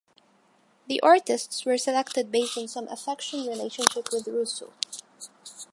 The artists were selected based on some "affection relationship" with Russo.